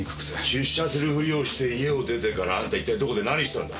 出社するふりをして家を出てからあんた一体どこで何してたんだ？